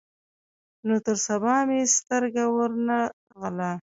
نو تر سبا مې سترګه ور نه غله.